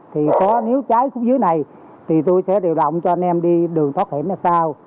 thì có nếu cháy xuống dưới này thì tôi sẽ điều động cho anh em đi đường thoát hiểm ra sao